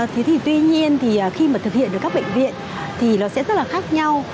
thế thì tuy nhiên thì khi mà thực hiện được các bệnh viện thì nó sẽ rất là khác nhau